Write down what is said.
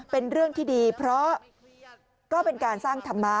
เป็นเรื่องที่ดีเพราะก็เป็นการสร้างธรรมะ